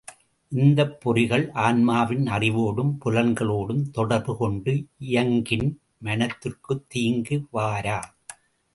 இந்தப் பொறிகள் ஆன்மாவின் அறிவோடும் புலன்களோடும் தொடர்பு கொண்டு இயங்கின் மனத்திற்குத் தீங்கு வாரா!